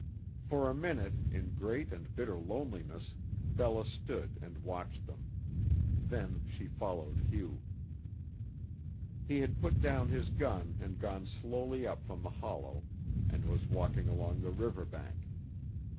For a minute, in great and bitter loneliness Bella stood and watched them; then she followed Hugh. He had put down his gun and gone slowly up from the hollow and was walking along the river bank.